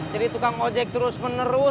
jadi tukang ojek terus menerus